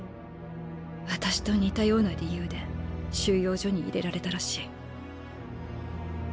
私と似たような理由で収容所に入れられたらしい。